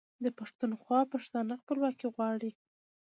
د پښتونخوا پښتانه خپلواکي غواړي.